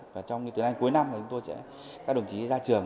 và trong từ nay cuối năm thì chúng tôi sẽ các đồng chí ra trường